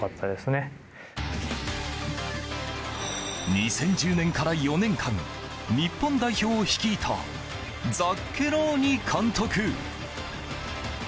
２０１０年から４年間日本代表を率いたザッケローニ監督。